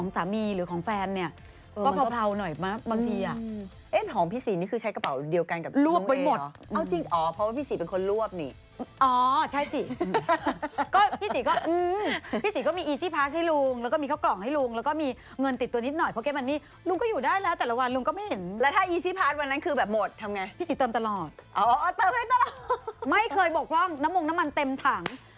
น้ำมันมะพร้าวนุ้ยรู้เนาะ